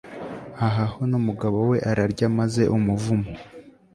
ahaho numugabo we ararya maze umuvumo